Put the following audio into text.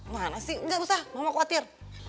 mana sih nggak usah mama khawatir